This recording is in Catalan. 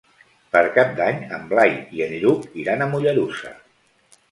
Per Cap d'Any en Blai i en Lluc iran a Mollerussa.